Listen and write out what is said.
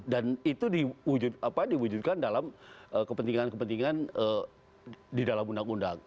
dan itu diwujudkan dalam kepentingan kepentingan di dalam undang undang